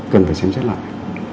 cần phải xem xét lại